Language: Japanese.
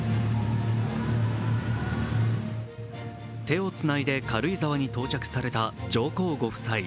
手をつないで軽井沢に到着された上皇ご夫妻。